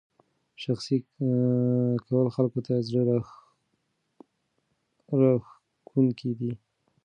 شخصي کول خلکو ته زړه راښکونکی دی.